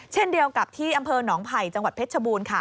เช่นเดียวกับที่อำเภอหนองไผ่จังหวัดเพชรชบูรณ์ค่ะ